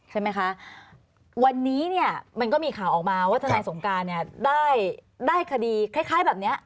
ใช่ไหมคะวันนี้เนี่ยมันก็มีข่าวออกมาว่าทนายสงการเนี่ยได้คดีคล้ายแบบนี้